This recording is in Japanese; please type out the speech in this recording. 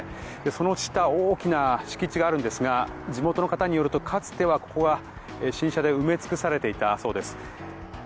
その下大きな敷地があるんですが地元の方によると、かつてはここが新車で埋め尽くされていたそうです。